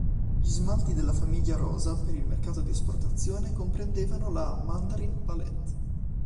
Gli smalti della famiglia rosa per il mercato di esportazione comprendevano la "Mandarin Palette".